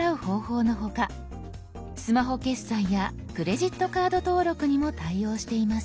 スマホ決済やクレジットカード登録にも対応しています。